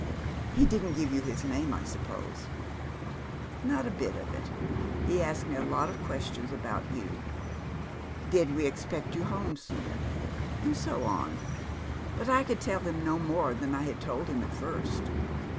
He didn't tell you his name, I suppose.* _" Not a bit of it. He asked me a lot of questions about ynn. Did we expect you home soon? and so on, but I could tell him no more than I had told him at first.